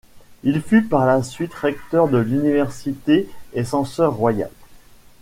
Il fut par la suite recteur de l'université et censeur royal.